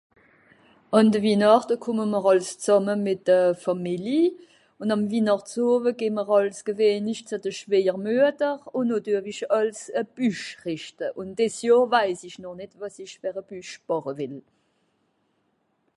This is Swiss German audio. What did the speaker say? Àn de Winààchte kumme m'r àls zàmme mìt de Fàmìli un àm Winààchtsoowe geh'mer àls gewehnlich ze d'r Schwèjermüeder un noh düe-w-ìch àls e Büsch rìschte un dìs Johr wais ìch noch nìt, wàs ìch fer e Büsch bàche wìll